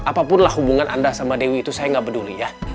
apapunlah hubungan anda sama dewi itu saya gak peduli ya